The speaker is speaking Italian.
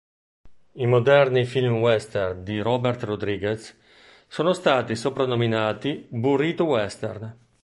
I moderni film western di Robert Rodriguez sono stati soprannominati "burrito-western".